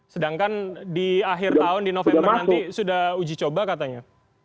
sedangkan di akhir tahun di november nanti sudah uji coba katanya